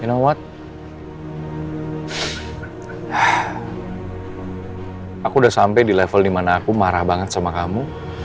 you know what aku udah sampe di level dimana aku marah banget sama kamu